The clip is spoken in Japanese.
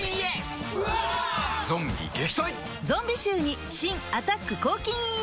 ゾンビ臭に新「アタック抗菌ＥＸ」